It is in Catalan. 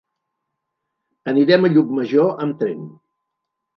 Anirem a Llucmajor amb tren.